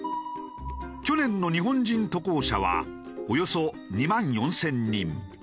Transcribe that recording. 去年の日本人渡航者はおよそ２万４０００人。